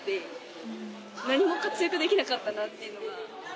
何も活躍できなかったなってのが心残り。